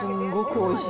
おいしい。